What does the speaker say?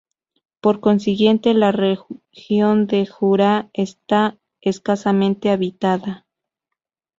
Por consiguiente, la región del Jura está escasamente habitada.